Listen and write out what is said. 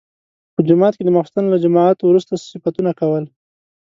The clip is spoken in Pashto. په جومات کې د ماخستن له جماعت وروسته صفتونه کول.